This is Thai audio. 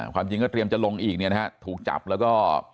ความจริงก็เตรียมจะลงอีกเนี่ยนะฮะถูกจับแล้วก็